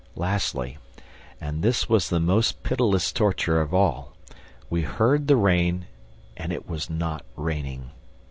Lastly and this was the most pitiless torture of all we heard the rain and it was not raining!